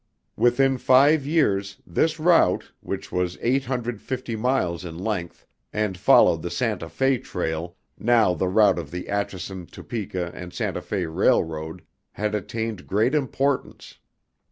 Within five years, this route, which was eight hundred fifty miles in length and followed the Santa Fe trail, now the route of the Atchison, Topeka, and Santa Fe railroad, had attained great importance.